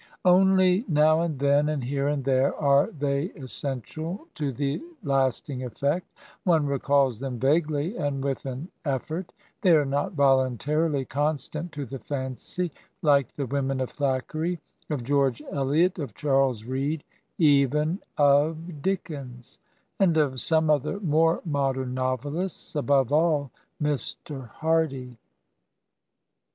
Only now and then, and here and there, are they essen tial to the lasting effect; one recalls them vaguely and with an effort ; they are not voluntarily constant to the fancy like the women of Thackeray, of George Eliot, of Charles Reade, even of Dickens ; and of some other more modem novelists, above all Mr. Hardy.